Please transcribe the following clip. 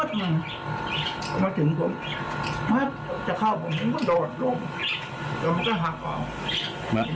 ถ้าจะเข้าผมผมก็โดดลงแล้วมันก็หักออก